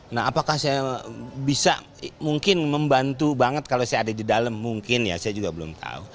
nah apakah saya bisa mungkin membantu banget kalau saya ada di dalam mungkin ya saya juga belum tahu